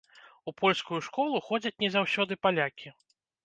У польскую школу ходзяць не заўсёды палякі.